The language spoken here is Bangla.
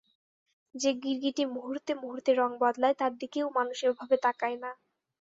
যে গিরগিটি মুহুর্তে মুহুর্তে রঙ বদলায় তার দিকেও মানুষ এভাবে তাকায় না।